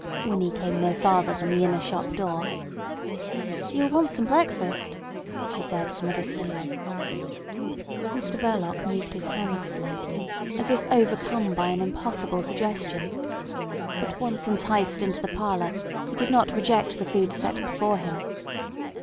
Winnie came no farther than the inner shop door. "You'll want some breakfast," she said from a distance. Mr Verloc moved his hands slightly, as if overcome by an impossible suggestion. But once enticed into the parlour he did not reject the food set before him.